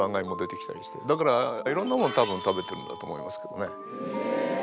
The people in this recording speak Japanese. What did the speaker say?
だからいろんなもの多分食べてるんだと思いますけどね。